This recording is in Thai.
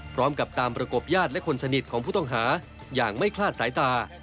พร้อมกับตามประกบญาติและคนสนิทของผู้ต้องหาอย่างไม่คลาดสายตา